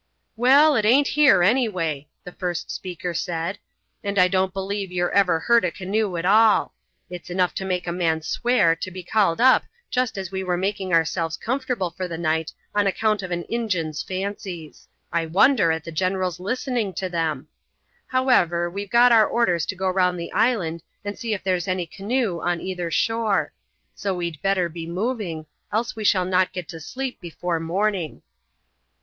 "Well, it aint here, anyway," the first speaker said, "and I don't believe yer ever heard a canoe at all. It's enough to make a man swear to be called up jest as we were making ourselves comfortable for the night on account of an Injun's fancies. I wonder at the general's listening to them. However, we've got our orders to go round the island and see ef there's any canoe on either shore; so we'd better be moving, else we shall not get to sleep before morning."